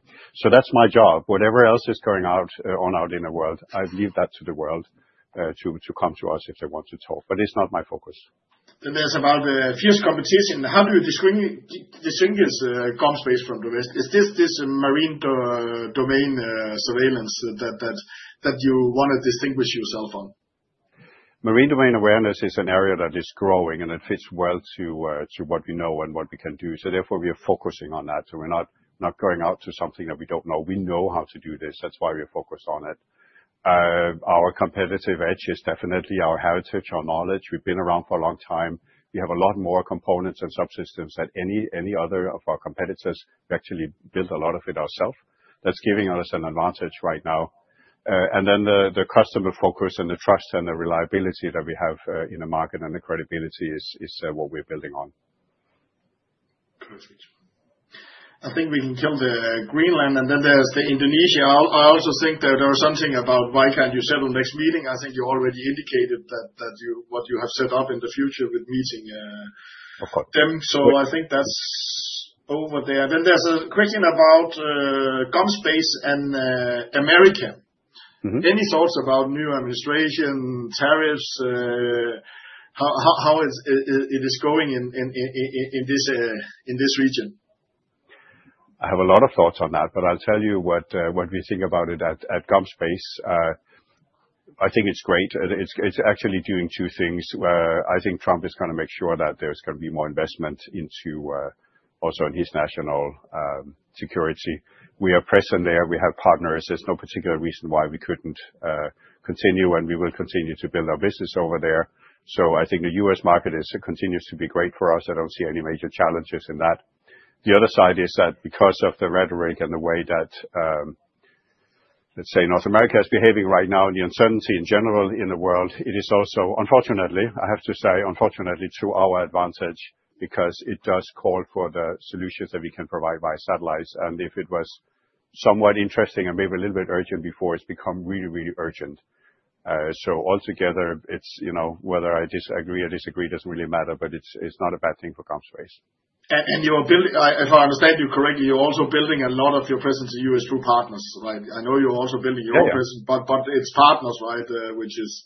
That's my job. Whatever else is going on out in the world, I leave that to the world to come to us if they want to talk. It is not my focus. There is fierce competition. How do you distinguish GomSpace from the rest? Is this marine domain surveillance that you want to distinguish yourself on? Marine domain awareness is an area that is growing and it fits well to what we know and what we can do. Therefore we are focusing on that. We are not going out to something that we do not know. We know how to do this. That is why we are focused on it. Our competitive edge is definitely our heritage, our knowledge. We have been around for a long time. We have a lot more components and subsystems than any other of our competitors. We actually build a lot of it ourselves. That is giving us an advantage right now. The customer focus and the trust and the reliability that we have in the market and the credibility is what we are building on. Perfect. I think we can kill the Greenland and then there is the Indonesia. I also think that there is something about why cannot you settle next meeting? I think you already indicated that what you have set up in the future with meeting them. I think that is over there. There is a question about GomSpace and America. Any thoughts about new administration, tariffs, how it is going in this region? I have a lot of thoughts on that, but I will tell you what we think about it at GomSpace. I think it is great. It's actually doing two things. I think Trump is going to make sure that there's going to be more investment into also in his national security. We are present there. We have partners. There's no particular reason why we couldn't continue and we will continue to build our business over there. I think the U.S. market continues to be great for us. I don't see any major challenges in that. The other side is that because of the rhetoric and the way that, let's say, North America is behaving right now and the uncertainty in general in the world, it is also, unfortunately, I have to say, unfortunately to our advantage because it does call for the solutions that we can provide via satellites. If it was somewhat interesting and maybe a little bit urgent before, it's become really, really urgent. Altogether, it's, you know, whether I agree or disagree doesn't really matter, but it's not a bad thing for GomSpace. You're building, if I understand you correctly, you're also building a lot of your presence in the U.S. through partners, right? I know you're also building your own presence, but it's partners, right? Which is,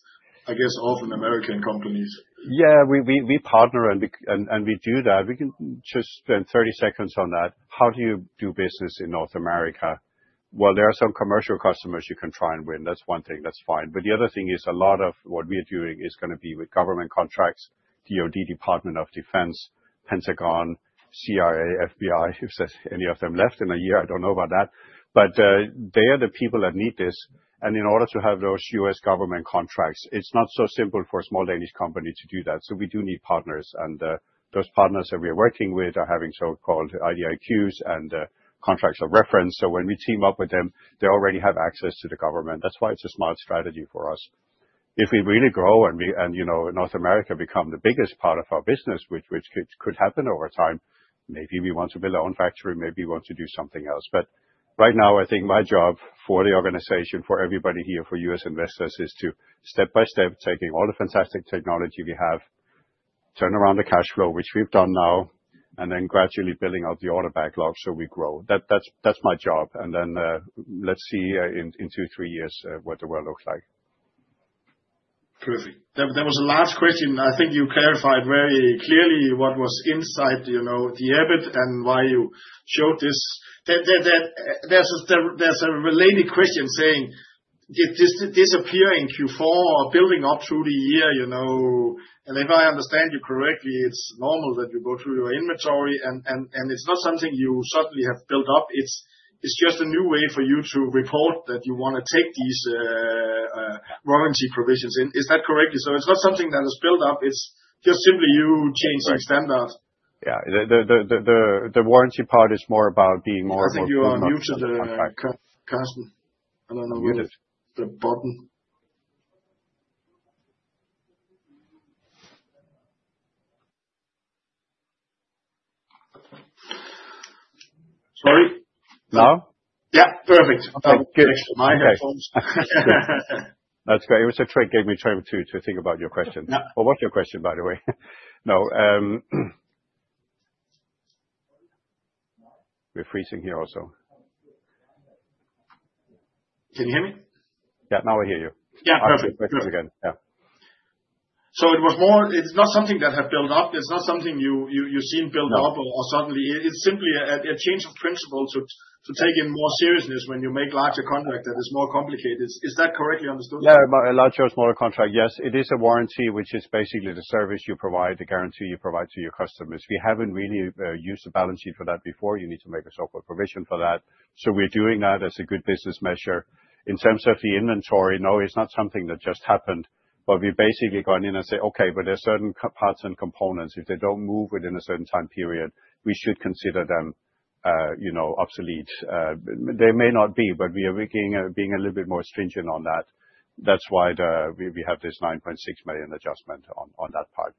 I guess, often American companies. Yeah, we partner and we do that. We can just spend 30 seconds on that. How do you do business in North America? There are some commercial customers you can try and win. That's one thing. That's fine. The other thing is a lot of what we're doing is going to be with government contracts, DOD, Department of Defense, Pentagon, CIA, FBI, if any of them are left in a year. I don't know about that. They are the people that need this. In order to have those U.S. government contracts, it is not so simple for a small Danish company to do that. We do need partners. Those partners that we are working with are having so-called IDIQs and contracts of reference. When we team up with them, they already have access to the government. That is why it is a smart strategy for us. If we really grow and, you know, North America becomes the biggest part of our business, which could happen over time, maybe we want to build our own factory. Maybe we want to do something else. Right now, I think my job for the organization, for everybody here, for U.S. investors, is to step by step, taking all the fantastic technology we have, turn around the cash flow, which we have done now, and then gradually building up the order backlog so we grow. That's my job. Let's see in two, three years what the world looks like. Perfect. There was a last question. I think you clarified very clearly what was inside, you know, the habit and why you showed this. There's a related question saying, did this disappear in Q4 or building up through the year? You know, and if I understand you correctly, it's normal that you go through your inventory and it's not something you suddenly have built up. It's just a new way for you to report that you want to take these warranty provisions in. Is that correct? It's not something that is built up. It's just simply you changing standards. Yeah. The warranty part is more about being more of a warranty contractor. I don't know where the button. Sorry? Now? Yeah. Perfect. Thank you. That's great. It was a trick that gave me a chance to think about your question. What was your question, by the way? No. We're freezing here also. Can you hear me? Yeah, now I hear you. Yeah, perfect. Perfect again. Yeah. It was more, it's not something that has built up. It's not something you've seen built up or suddenly. It's simply a change of principle to take in more seriousness when you make larger contracts that are more complicated. Is that correctly understood? Yeah, larger or smaller contract. Yes, it is a warranty, which is basically the service you provide, the guarantee you provide to your customers. We haven't really used a balance sheet for that before. You need to make a software provision for that. We're doing that as a good business measure. In terms of the inventory, no, it's not something that just happened. We basically go in and say, okay, but there are certain parts and components. If they do not move within a certain time period, we should consider them, you know, obsolete. They may not be, but we are being a little bit more stringent on that. That is why we have this 9.6 million adjustment on that part.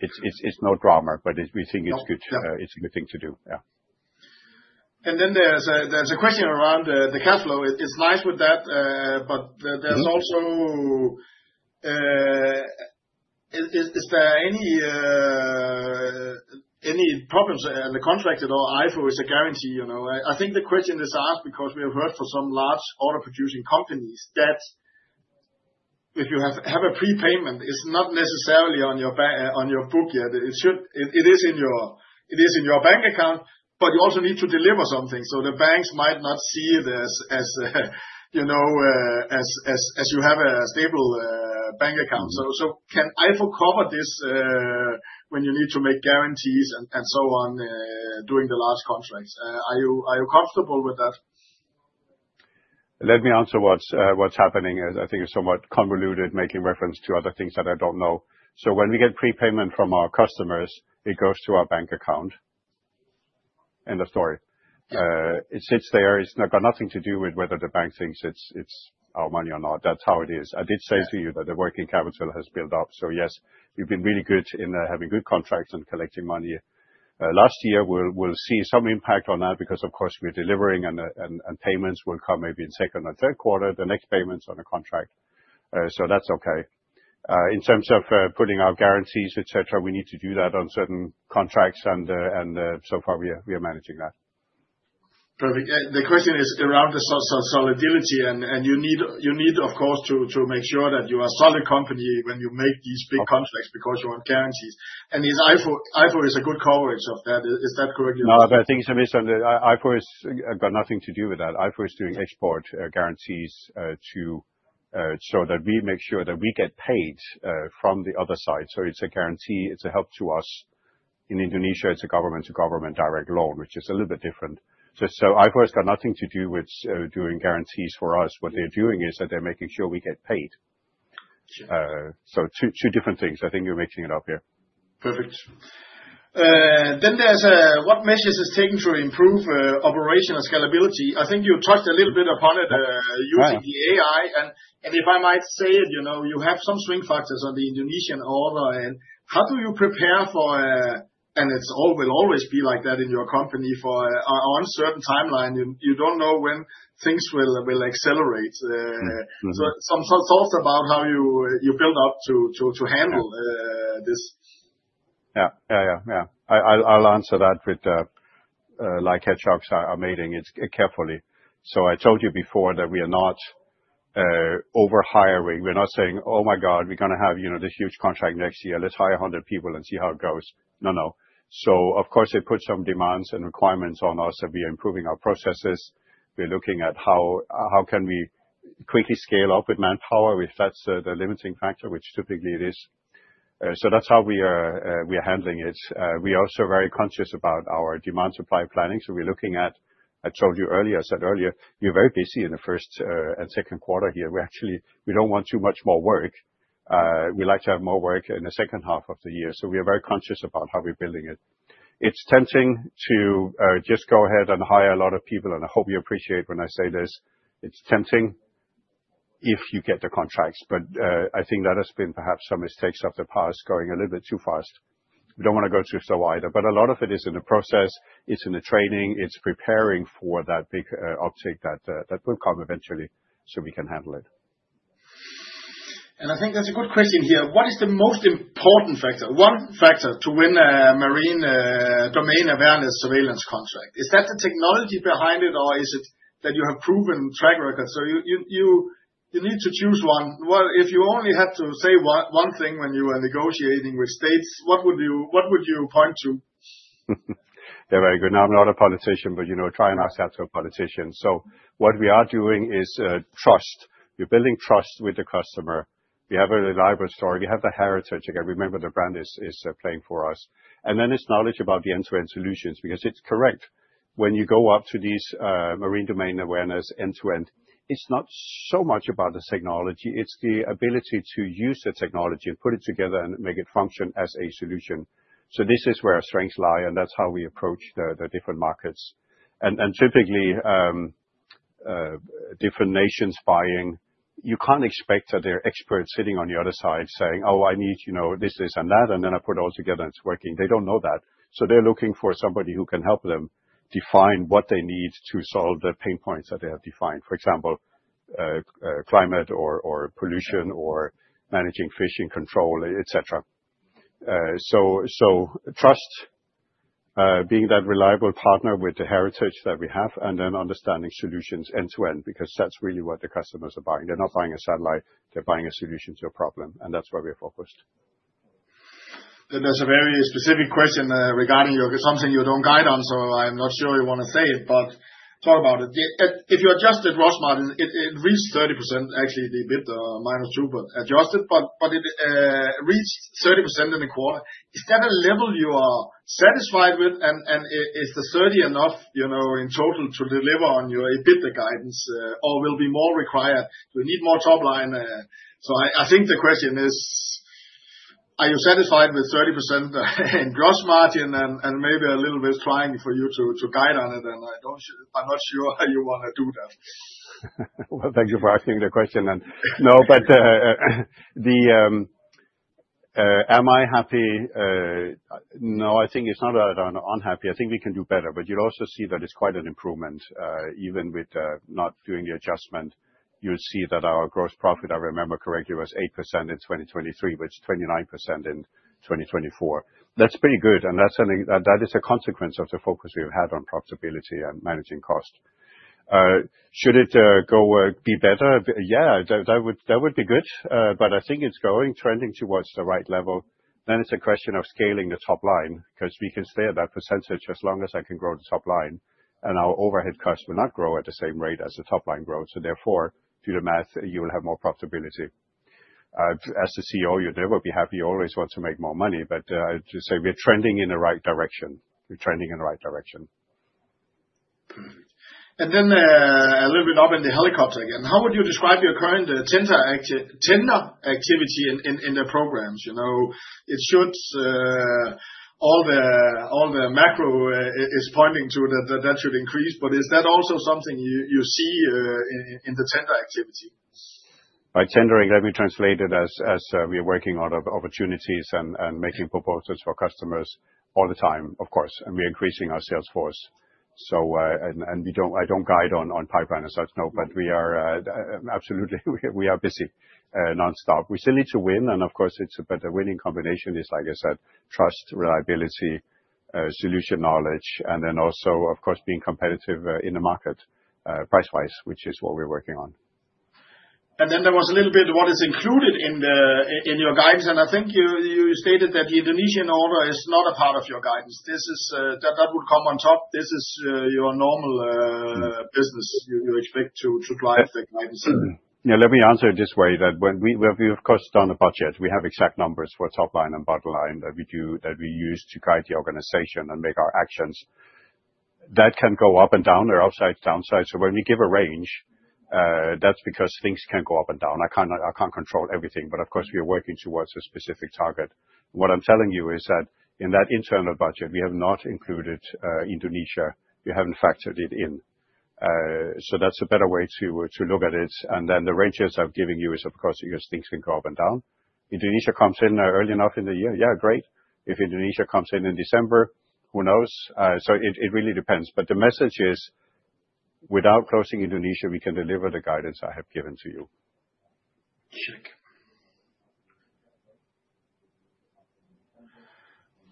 It is no drama, but we think it is a good thing to do. Yeah. Then there is a question around the cash flow. It is nice with that, but there is also, is there any problems in the contract at all? IFO is a guarantee, you know. I think the question is asked because we have heard from some large auto producing companies that if you have a prepayment, it is not necessarily on your book yet. It is in your bank account, but you also need to deliver something. The banks might not see it as, you know, as you have a stable bank account. Can IFO cover this when you need to make guarantees and so on during the large contracts? Are you comfortable with that? Let me answer what's happening. I think it's somewhat convoluted, making reference to other things that I don't know. When we get prepayment from our customers, it goes to our bank account. End of story. It sits there. It's not got nothing to do with whether the bank thinks it's our money or not. That's how it is. I did say to you that the working capital has built up. Yes, we've been really good in having good contracts and collecting money. Last year, we'll see some impact on that because, of course, we're delivering and payments will come maybe in second or third quarter, the next payments on a contract. That is okay. In terms of putting out guarantees, etc., we need to do that on certain contracts. So far, we are managing that. Perfect. The question is around the solidity, and you need, of course, to make sure that you are a solid company when you make these big contracts because you want guarantees. IFO is a good coverage of that. Is that correct? No, I think it's a misunderstanding. IFO has got nothing to do with that. IFO is doing export guarantees so that we make sure that we get paid from the other side. It is a guarantee. It is a help to us. In Indonesia, it's a government-to-government direct loan, which is a little bit different. IFO has got nothing to do with doing guarantees for us. What they're doing is that they're making sure we get paid. Two different things. I think you're mixing it up here. Perfect. What measures are taken to improve operational scalability? I think you touched a little bit upon it using the AI. If I might say it, you have some swing factors on the Indonesian order. How do you prepare for, and it will always be like that in your company, for an uncertain timeline? You don't know when things will accelerate. Some thoughts about how you build up to handle this. Yeah, yeah, yeah. I'll answer that with light hedgehogs are mating carefully. I told you before that we are not overhiring. We're not saying, "Oh my God, we're going to have, you know, this huge contract next year. Let's hire 100 people and see how it goes." No, no. Of course, they put some demands and requirements on us that we are improving our processes. We're looking at how can we quickly scale up with manpower if that's the limiting factor, which typically it is. That's how we are handling it. We are also very conscious about our demand supply planning. We're looking at, I told you earlier, I said earlier, we're very busy in the first and second quarter here. We actually, we don't want too much more work. We like to have more work in the second half of the year. We are very conscious about how we're building it. It's tempting to just go ahead and hire a lot of people. I hope you appreciate when I say this. It's tempting if you get the contracts. I think that has been perhaps some mistakes of the past going a little bit too fast. We don't want to go too slow either. A lot of it is in the process. It's in the training. It's preparing for that big uptick that will come eventually so we can handle it. I think there's a good question here. What is the most important factor, one factor to win a marine domain awareness surveillance contract? Is that the technology behind it, or is it that you have proven track record? You need to choose one. If you only had to say one thing when you were negotiating with states, what would you point to? Yeah, very good. Now, I'm not a politician, but you know, trying ourselves to a politician. What we are doing is trust. You're building trust with the customer. We have a reliable story. We have the heritage. Again, remember the brand is playing for us. Then it's knowledge about the end-to-end solutions because it's correct. When you go up to these marine domain awareness end-to-end, it's not so much about the technology. It's the ability to use the technology and put it together and make it function as a solution. This is where our strengths lie, and that's how we approach the different markets. Typically, different nations buying, you can't expect that they're experts sitting on the other side saying, "Oh, I need, you know, this, this, and that," and then I put it all together and it's working. They don't know that. They're looking for somebody who can help them define what they need to solve the pain points that they have defined. For example, climate or pollution or managing fishing control, etc. Trust, being that reliable partner with the heritage that we have, and then understanding solutions end-to-end because that's really what the customers are buying. They're not buying a satellite. They're buying a solution to a problem. That's where we're focused. There's a very specific question regarding something you don't guide on, so I'm not sure you want to say it, but talk about it. If you adjusted gross margin, it reached 30%, actually a bit minus two, but adjusted, but it reached 30% in the quarter. Is that a level you are satisfied with? Is the 30% enough, you know, in total to deliver on your EBITDA guidance, or will more be required? Do you need more top line? I think the question is, are you satisfied with 30% in gross margin and maybe a little bit trying for you to guide on it? I'm not sure how you want to do that. Thank you for asking the question. Am I happy? No, I think it's not that I'm unhappy. I think we can do better, but you'll also see that it's quite an improvement. Even with not doing the adjustment, you'll see that our gross profit, if I remember correctly, was 8% in 2023, which is 29% in 2024. That's pretty good. That is a consequence of the focus we've had on profitability and managing cost. Should it be better? Yeah, that would be good. I think it's trending towards the right level. It is a question of scaling the top line because we can stay at that percentage as long as I can grow the top line. Our overhead costs will not grow at the same rate as the top line grows. Therefore, do the math, you will have more profitability. As the CEO, you'll never be happy. You always want to make more money. I'd say we're trending in the right direction. We're trending in the right direction. Perfect. A little bit up in the helicopter again. How would you describe your current tender activity in the programs? You know, it should, all the macro is pointing to that that should increase, but is that also something you see in the tender activity? By tendering, let me translate it as we are working out of opportunities and making proposals for customers all the time, of course. We are increasing our sales force. I do not guide on pipeline as such, no, but we are absolutely, we are busy nonstop. We still need to win. Of course, a better winning combination is, like I said, trust, reliability, solution knowledge, and then also, of course, being competitive in the market price-wise, which is what we are working on. There was a little bit about what is included in your guidance. I think you stated that the Indonesian order is not a part of your guidance. That would come on top. This is your normal business. You expect to drive the guidance. Let me answer it this way: when we, of course, have done the budget, we have exact numbers for top line and bottom line that we use to guide the organization and make our actions. That can go up and down or upside, downside. When we give a range, that's because things can go up and down. I can't control everything, but of course, we are working towards a specific target. What I'm telling you is that in that internal budget, we have not included Indonesia. We haven't factored it in. That's a better way to look at it. The ranges I've given you are, of course, because things can go up and down. If Indonesia comes in early enough in the year, yeah, great. If Indonesia comes in in December, who knows? It really depends. The message is, without closing Indonesia, we can deliver the guidance I have given to you. Check.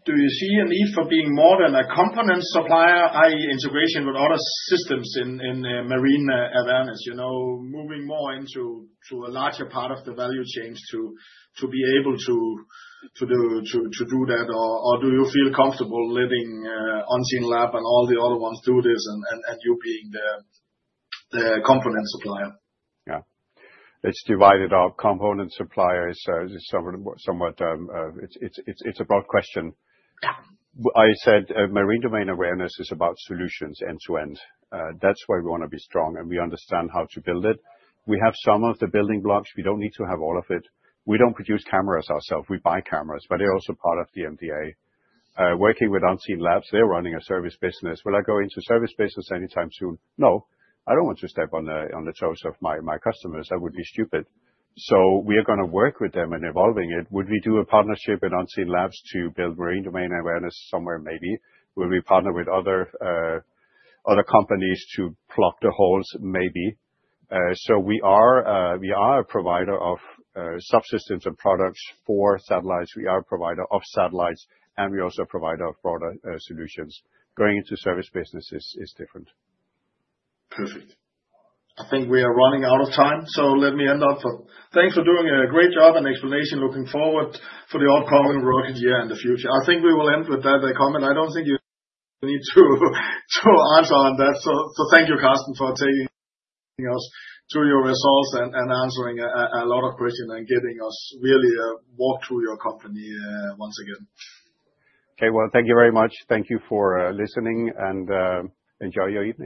Do you see a need for being more than a component supplier, i.e., integration with other systems in marine awareness, you know, moving more into a larger part of the value chain to be able to do that? Or do you feel comfortable letting Unseen Labs and all the other ones do this and you being the component supplier? Yeah. Let's divide it up. Component supplier is somewhat, it's a broad question. I said marine domain awareness is about solutions end-to-end. That's where we want to be strong and we understand how to build it. We have some of the building blocks. We don't need to have all of it. We don't produce cameras ourselves. We buy cameras, but they're also part of the MDA. Working with Unseen Labs, they're running a service business. Will I go into service business anytime soon? No. I don't want to step on the toes of my customers. That would be stupid. We are going to work with them and evolving it. Would we do a partnership with Unseen Labs to build marine domain awareness somewhere? Maybe. Would we partner with other companies to plug the holes? Maybe. We are a provider of subsystems and products for satellites. We are a provider of satellites, and we also provide broader solutions. Going into service business is different. Perfect. I think we are running out of time, so let me end up. Thanks for doing a great job and explanation looking forward for the upcoming rocket year and the future. I think we will end with that comment. I don't think you need to answer on that. Thank you, Carsten, for taking us through your results and answering a lot of questions and getting us really a walk through your company once again. Okay, thank you very much. Thank you for listening and enjoy your evening.